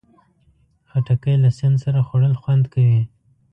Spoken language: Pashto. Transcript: خټکی له سیند سره خوړل خوند کوي.